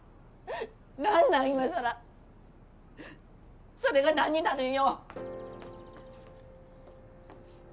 何なんいまさらそれが何になるんよ！